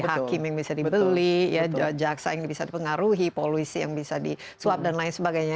hakim yang bisa dibeli jaksa yang bisa dipengaruhi polisi yang bisa disuap dan lain sebagainya